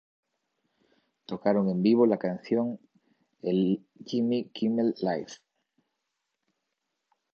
Tocaron en vivo la canción el Jimmy Kimmel Live!